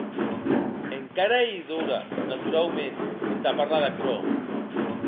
Encara ei d'ora, naturauments, entà parlar d'aquerò.